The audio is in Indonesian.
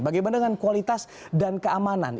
bagaimana dengan kualitas dan keamanan